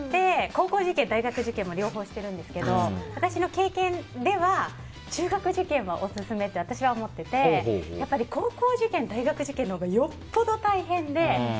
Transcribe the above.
高校受験、大学受験も両方してるんですけど私の経験では中学受験はオススメって私は思っててやっぱり、高校受験大学受験のほうがよっぽど大変で。